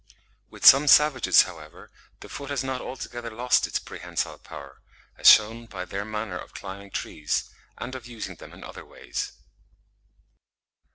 With some savages, however, the foot has not altogether lost its prehensile power, as shewn by their manner of climbing trees, and of using them in other ways.